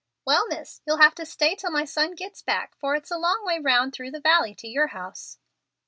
"Well, miss, you'll have to stay till my son gits back, for it's a long way round through the valley to your house."